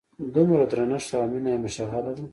دومره درنښت او مینه یې مشغله ده.